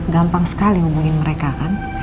gampang sekali hubungin mereka kan